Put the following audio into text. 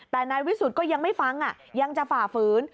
แต่นายวิสุทธิ์ก็ยังไม่ฟังยังจะฝ่าฝืน